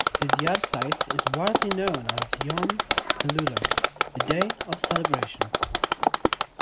His yahrzeit is widely known as a "Yom Hillula", a day of celebration.